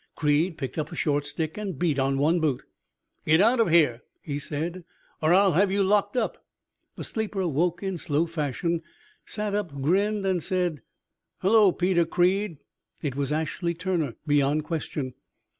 Creed picked up a short stick and beat on one boot. "'Get out of here,' he said, 'or I'll have you locked up.' The sleeper woke in slow fashion, sat up, grinned, and said: "'Hello, Peter Creed.' It was Ashley Turner, beyond question.